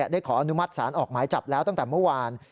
ขออนุมัติศาลออกหมายจับแล้วตั้งแต่เมื่อวาน